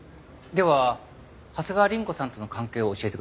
では長谷川凛子さんとの関係を教えてください。